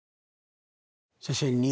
先生